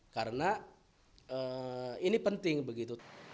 karena ini penting begitu